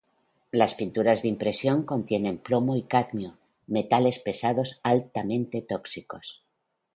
Las pinturas de impresión contienen plomo y cadmio, metales pesados altamente tóxicos.